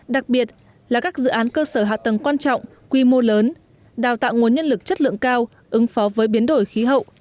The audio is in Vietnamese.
đặc biệt là các dự án cơ sở hạ tầng quan trọng quy mô lớn đào tạo nguồn nhân lực chất lượng cao ứng phó với biến đổi khí hậu